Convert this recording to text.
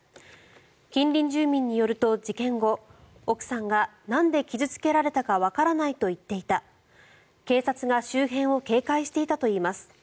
近隣住民によると事件後、奥さんがなんで傷付けられたかわからないと言っていた警察が周辺を警戒していたといいます。